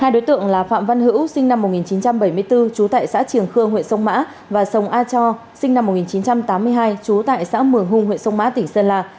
hai đối tượng là phạm văn hữu sinh năm một nghìn chín trăm bảy mươi bốn trú tại xã triềng khương huyện sông mã và sông a cho sinh năm một nghìn chín trăm tám mươi hai trú tại xã mường hùng huyện sông mã tỉnh sơn la